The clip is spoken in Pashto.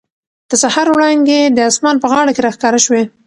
د سهار وړانګې د اسمان په غاړه کې را ښکاره شوې.